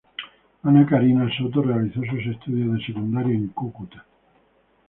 Ana Karina Soto realizó sus estudios de secundaria en Cúcuta.